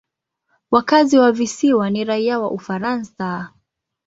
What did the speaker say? Wakazi wa visiwa ni raia wa Ufaransa.